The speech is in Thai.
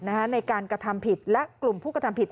ในการกระทำผิดเดินเต้นไหากลุ่มผู้กระทำผิด